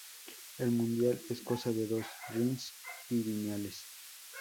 El Mundial es cosa de dos: Rins y Viñales.